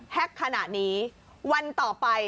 แฮ็กขณะนี้วันต่อไป